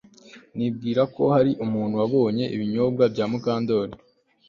Nibwira ko hari umuntu wanyoye ibinyobwa bya Mukandoli